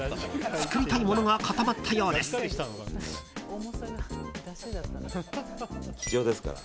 作りたいものが固まったようです。